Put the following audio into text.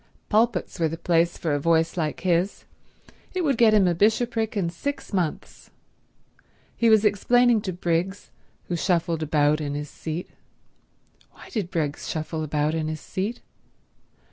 Pulpits were the place for a voice like his; it would get him a bishopric in six months. He was explaining to Briggs, who shuffled about in his seat—why did Briggs shuffle about in his seat?